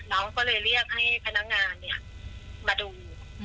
น้องก็เลยเรียกให้พนักงานมาดู